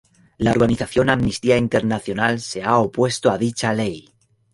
La organización Amnistía Internacional se ha opuesto a dicha ley.